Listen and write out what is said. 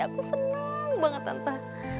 aku seneng banget tante